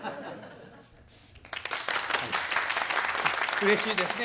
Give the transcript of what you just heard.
うれしいですね。